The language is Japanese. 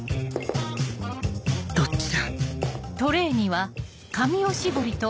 どっちだ？